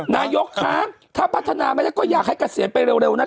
นายกคะถ้าพัฒนาไม่ได้ก็อยากให้เกษียณไปเร็วนะ